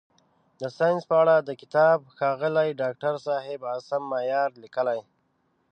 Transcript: د ساینس په اړه دا کتاب ښاغلي داکتر صاحب عاصم مایار لیکلی.